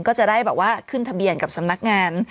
ก็จะได้แบบว่าขึ้นทะเบียนกับสำนักงาน